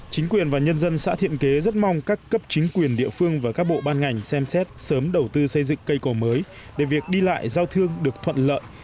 chính quyền và nhân dân xã thiện kế rất mong các cấp chính quyền địa phương và các bộ ban ngành xem xét sớm đầu tư xây dựng cây cầu mới để việc đi lại giao thương được thuận lợi